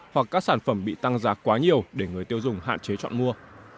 hoặc các sản phẩm bị tăng giá quá nhiều để người tiêu dùng hạn chế chọn mua